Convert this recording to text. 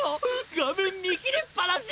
画面見切れっぱなし！